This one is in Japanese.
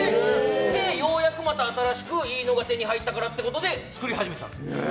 ようやくまた新しくいいのが手に入ったからってことで作り始めたんですよ。